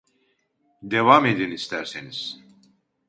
Devam edin isterseniz